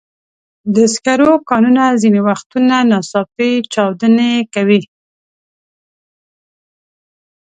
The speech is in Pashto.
د سکرو کانونه ځینې وختونه ناڅاپي چاودنې کوي.